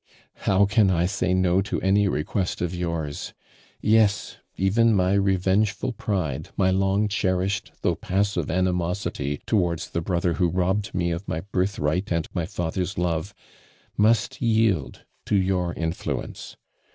*' How con I say no to any request of yours ? Yes, even my revengeful pride, x»y long cherished though passive animosity to wards the brothel who robbed me of vkj birthright and my father's love, must yield to your influence.